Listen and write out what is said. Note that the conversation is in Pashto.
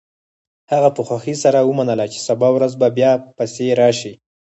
هغه په خوښۍ سره ومنله چې سبا ورځ بیا پسې راشي